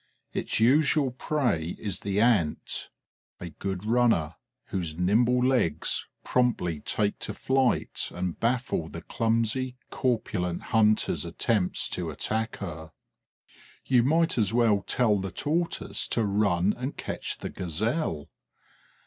Its usual prey is the Ant, a good runner, whose nimble legs promptly take to flight and baffle the clumsy, corpulent hunter's attempts to attack her. You might as well tell the Tortoise to run and catch the Gazelle.